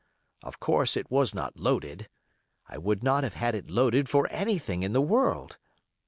Of course, it was not loaded. I would not have had it loaded for anything in the world.